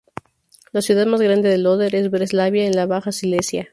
La ciudad más grande del Óder es Breslavia, en la Baja Silesia.